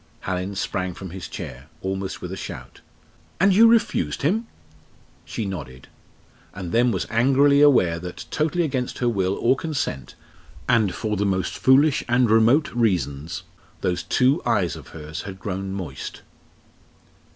Hallin sprang from his chair, almost with a shout. "And you refused him?" She nodded, and then was angrily aware that, totally against her will or consent, and for the most foolish and remote reasons, those two eyes of hers had grown moist.